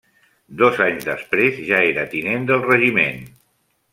Dos anys després ja era tinent del regiment.